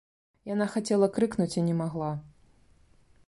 Яна хацела крыкнуць і не магла.